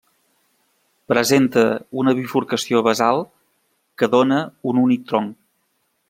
Presenta una bifurcació basal que dóna un únic tronc.